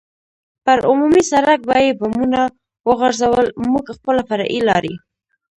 پر عمومي سړک به یې بمونه وغورځول، موږ خپله فرعي لارې.